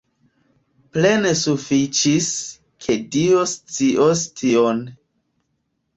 Plene sufiĉis, ke Dio scios tion.